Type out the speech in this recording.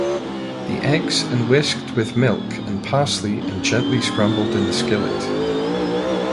The eggs and whisked with milk and parsley and gently scrambled in the skillet.